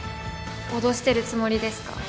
脅してるつもりですか？